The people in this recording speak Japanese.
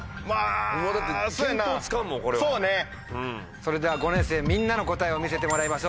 それでは５年生みんなの答えを見せてもらいましょう。